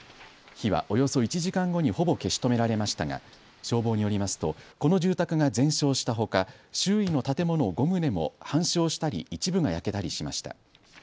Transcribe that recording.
火はおよそ１時間後にほぼ消し止められましたが消防によりますとこの住宅が全焼したほか周囲の建物５棟も半焼したり一部が焼けたりしました。